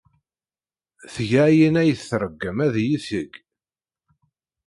Tga ayen ay tṛeggem ad iyi-t-teg.